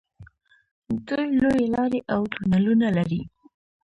دوی لویې لارې او تونلونه لري.